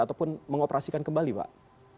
atau mengoperasikan kembali pak